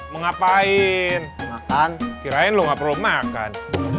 mengapain makan kirain lu nggak perlu makan